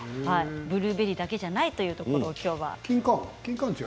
ブルーベリーだけじゃないというの、きょうはね。